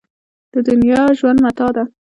د دنیا ژوند متاع ده.